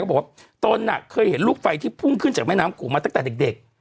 บอกว่าตนเคยเห็นลูกไฟที่พุ่งขึ้นจากแม่น้ำโขงมาตั้งแต่เด็ก